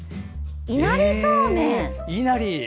いなりそうめん。